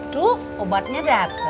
tuh obatnya datang